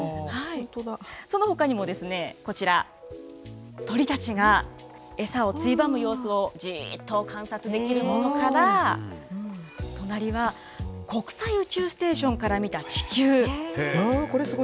そのほかにも、こちら、鳥たちが餌をついばむ様子をじーっと観察できるものから、隣は国際宇宙ステーションから見た地球。